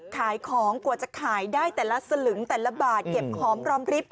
ขายของกว่าจะขายได้แต่ละสลึงแต่ละบาทเก็บหอมรอมริบ